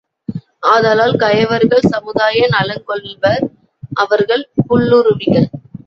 ஆதலால், கயவர்கள் சமுதாய நலங் கொல்வர் அவர்கள் புல்லுருவிகள்!